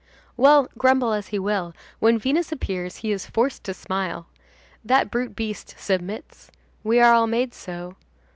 Well, grumble as he will, when Venus appears he is forced to smile. That brute beast submits. We are all made so.